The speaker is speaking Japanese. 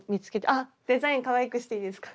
あっデザインかわいくしていいですか？